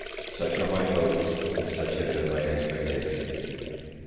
Such are my hopes, and such have been my expectations.